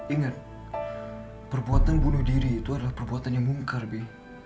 ingat perbuatan bunuh diri itu adalah perbuatan yang mungkar b